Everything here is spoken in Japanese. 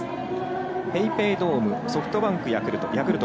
ＰａｙＰａｙドームソフトバンク、ヤクルト。